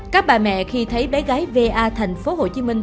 các bà mẹ khi thấy bé gái va thành phố hồ chí minh